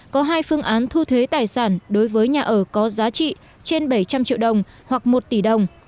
có hai phương án thu thuế tài sản đối với nhà ở có giá trị trên bảy trăm linh triệu đồng hoặc một tỷ đồng